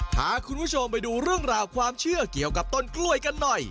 พาคุณผู้ชมไปดูเรื่องราวความเชื่อเกี่ยวกับต้นกล้วยกันหน่อย